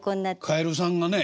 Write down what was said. カエルさんがね